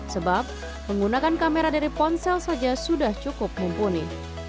sebab menggunakan kamera dari ponsel saja sudah cukup mumpuni